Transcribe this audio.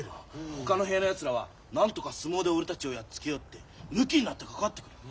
ほかの部屋のやつらはなんとか相撲で俺たちをやっつけようってむきになってかかってくる。